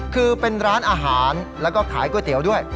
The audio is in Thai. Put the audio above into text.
คือเป็นร้านอาหารแล้วก็ขายก๋วยเตี๋ยวด้วย